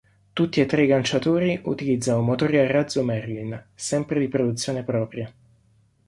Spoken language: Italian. Tutti e tre i lanciatori utilizzano motori a razzo Merlin, sempre di produzione propria.